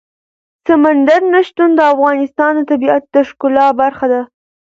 سمندر نه شتون د افغانستان د طبیعت د ښکلا برخه ده.